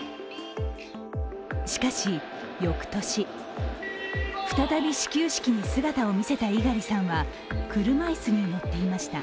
しかし翌年、再び始球式に姿を見せた猪狩さんは車椅子に乗っていました。